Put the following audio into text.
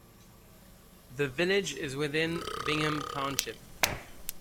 The village is within Bingham Township.